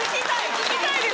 聞きたいです